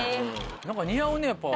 何か似合うねやっぱ。